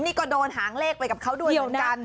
นี่ก็โดนหางเลขไปกับเขาด้วยเหมือนกัน